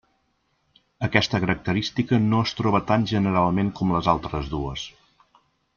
Aquesta característica no es troba tan generalment com les altres dues.